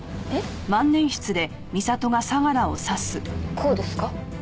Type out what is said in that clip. こうですか？